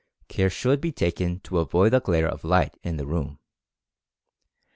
Care should be taken to avoid a glare of light in the room.